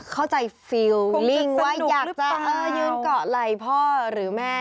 เข้าใจความรู้สึกว่าว่ายากจะยืนเกาะไหล่พ่อหรือแม่